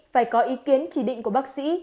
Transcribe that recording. phải có ý kiến chỉ định của bác sĩ